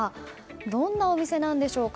どんなお店なんでしょうか。